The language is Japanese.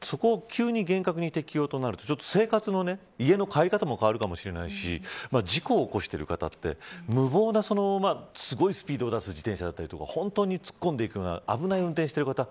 そこを急に厳格に適用となると生活も変わるかもしれないし事故を起こしてる方は無謀な、すごいスピードを出す人だったり本当に突っ込んでいくような危ない運転をしている方